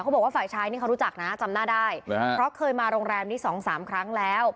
บอกว่าฝ่ายชายนี่เขารู้จักนะจำหน้าได้เพราะเคยมาโรงแรมนี้สองสามครั้งแล้ว